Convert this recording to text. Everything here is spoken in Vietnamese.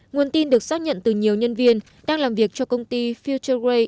nguồn tin được xác nhận từ nhiều nhân viên đang làm việc cho công ty futergrey